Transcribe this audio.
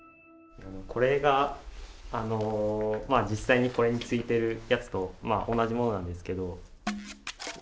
これが実際にこれについてるやつと同じものなんですけど。